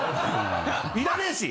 いらねえし！